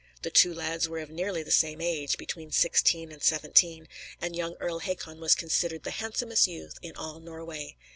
The two lads were of nearly the same age between sixteen and seventeen and young Earl Hakon was considered the handsomest youth in all Norway.